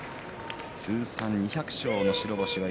通算２００勝の白星一